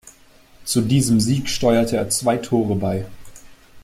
Zu diesem Sieg steuerte er zwei Tore bei.